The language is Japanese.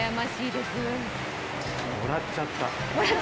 もらっちゃった。